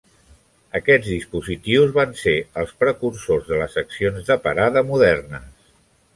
Aquests dispositius van ser els precursors de les accions de parada modernes.